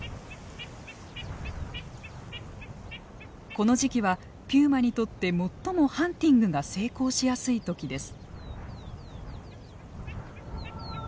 この時期はピューマにとって最もハンティングが成功しやすい時です。